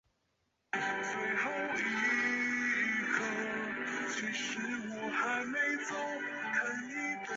李可灼发戍边疆。